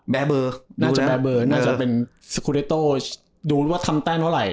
เบอร์น่าจะแบร์เบอร์น่าจะเป็นสกูเรโต้ดูว่าทำแต้มเท่าไหร